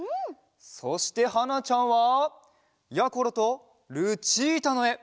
そしてはなちゃんはやころとルチータのえ！